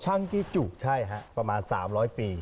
ใช่ครับประมาณ๓๐๐ปี